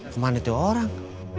kemana tuh orang